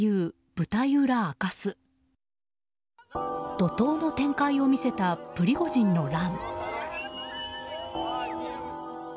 怒涛の展開を見せたプリゴジンの乱。